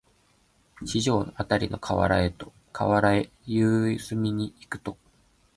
四条あたりの河原へ夕涼みに行くと、